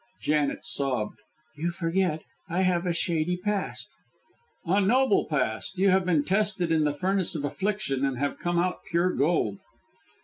Janet sobbed. "You forget! I have a shady past!" "A noble past. You have been tested in the furnace of affliction, and have come out pure gold."